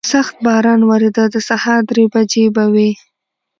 سخت باران ورېده، د سهار درې بجې به وې.